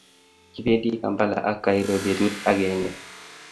kipendi kampla ak cairo betut ageng